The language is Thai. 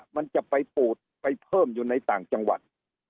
มันจะไปปูดไปเพิ่มอยู่ในต่างจังหวัด